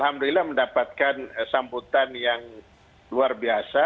alhamdulillah mendapatkan sambutan yang luar biasa